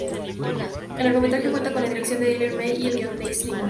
El largometraje cuenta con la dirección de Elaine May y guion de Neil Simon.